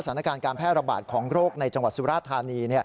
สถานการณ์การแพร่ระบาดของโรคในจังหวัดสุราธานี